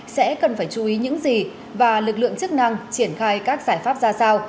sẽ cần phải chú ý những gì và lực lượng chức năng triển khai các giải pháp ra sao